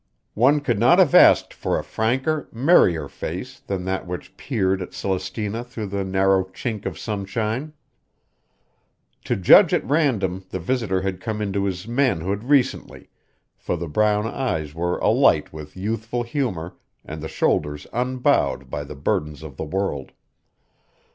One could not have asked for a franker, merrier face than that which peered at Celestina through the narrow chink of sunshine. To judge at random the visitor had come into his manhood recently, for the brown eyes were alight with youthful humor and the shoulders unbowed by the burdens of the world.